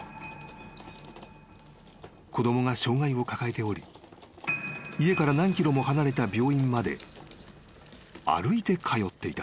［子供が障がいを抱えており家から何ｋｍも離れた病院まで歩いて通っていた］